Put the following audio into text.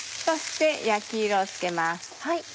そして焼き色をつけます。